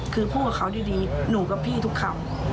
คือพูดกับเขาดีหนูกับพี่ทุกคำ